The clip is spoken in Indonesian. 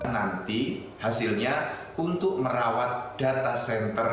nanti hasilnya untuk merawat data center